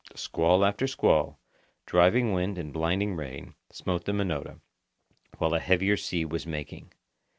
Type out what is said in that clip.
Squall after squall, driving wind and blinding rain, smote the Minota, while a heavier sea was making.